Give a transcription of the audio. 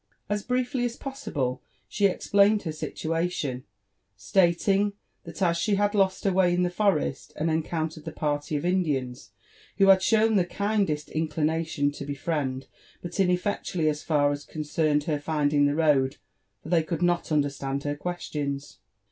As briefly as possible she explained her situation, stating that she had lost her way in the forest, and encountered the party of Indians, who had shown the kindest inclination to befriend, but inefl'eclually as far as concerned her finding the road, for they could not understand her questions.